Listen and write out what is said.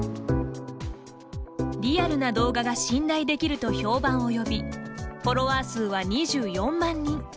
リアルな動画が信頼できると評判を呼びフォロワー数は２４万人。